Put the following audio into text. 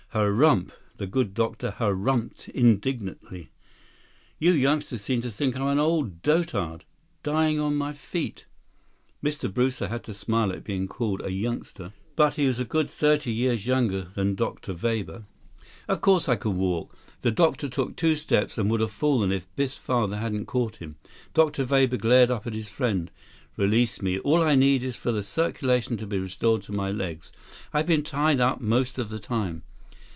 "Hurrumph!" the good doctor hurrumphed indignantly. "You youngsters seem to think I'm an old dotard, dying on my feet." Mr. Brewster had to smile at being called a youngster. But he was a good thirty years younger than Dr. Weber. 158 "Of course I can walk!" The doctor took two steps, and would have fallen if Biff's father hadn't caught him. Dr. Weber glared up at his friend. "Release me. All I need is for the circulation to be restored to my legs. I've been tied up most of the time."